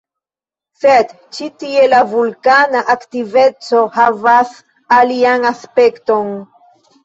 Sed ĉi tie la vulkana aktiveco havas alian aspekton.